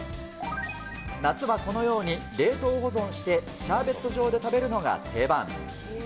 夏はこのように冷凍保存して、シャーベット状で食べるのが定番。